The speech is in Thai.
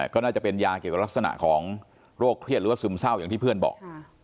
ก็น่าจะเป็นยาเกี่ยวกับลักษณะของโรคเครียดหรือว่าซึมเศร้าอย่างที่เพื่อนบอก